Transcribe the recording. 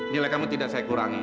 nilai kamu tidak saya kurangi